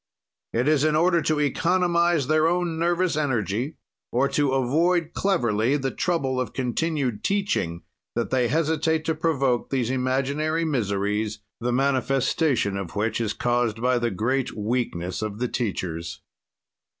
"It is in order to economize their own nervous energy or to avoid cleverly the trouble of continued teaching, that they hesitate to provoke these imaginary miseries, the manifestation of which is caused by the great weakness of the teachers.